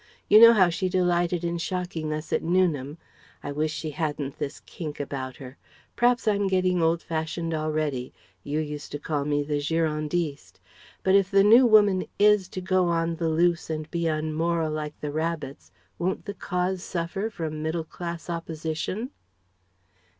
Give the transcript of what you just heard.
You know how she delighted in shocking us at Newnham. I wish she hadn't this kink about her. P'raps I'm getting old fashioned already You used to call me 'the Girondist.' But if the New Woman is to go on the loose and be unmoral like the rabbits, won't the cause suffer from middle class opposition?"